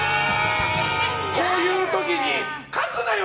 こういう時に書くなよ